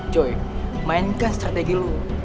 coy mainkan strategi lo